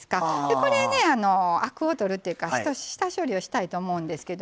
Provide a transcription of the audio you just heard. これ、アクを取るっていうか下処理をしたいと思うんですけど。